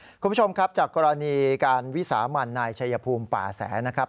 คุณผู้ชมครับจากกรณีการวิสามันนายชัยภูมิป่าแสนะครับ